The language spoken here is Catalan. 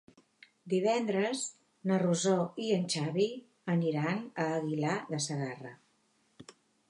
Divendres na Rosó i en Xavi aniran a Aguilar de Segarra.